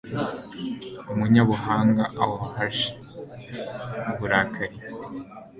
umunyabuhanga auhosha uburakari